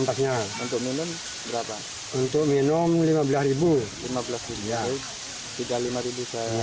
pemilik akan menjualnya